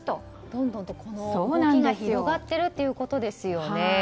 どんどんと動きが広がっているということですね。